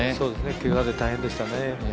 けがで大変でしたね。